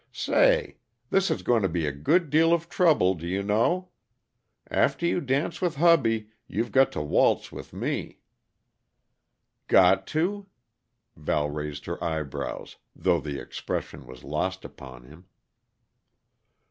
Say! this is going to be a good deal of trouble, do you know? After you dance with hubby, you've got to waltz with me." "Got to?" Val raised her eyebrows, though the expression was lost upon him.